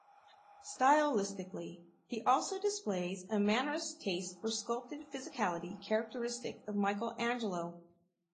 Stylistically, he also displays a Mannerist taste for sculpted physicality characteristic of Michelangelo.